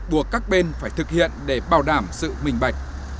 buộc các bên phải thực hiện để bảo đảm sự minh bạch